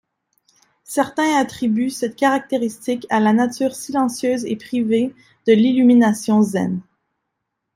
Certains attribuent cette caractéristique à la nature silencieuse et privée de l'illumination zen.